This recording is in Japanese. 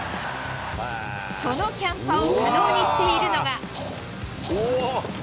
そのキャンパを可能にしているのが。